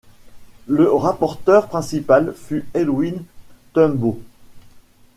Le rapporteur principal fut Edwin Thumboo.